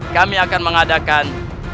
kami akan mengadakan